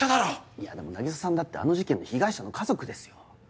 いやでも凪沙さんだってあの事件の被害者の家族ですよ。